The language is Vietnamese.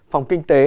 phòng kinh tế